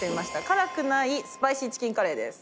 辛くないスパイシーチキンカレーです。